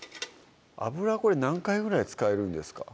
油これ何回ぐらい使えるんですか？